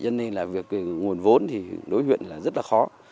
do vậy nguồn vốn đối với huyện rất khó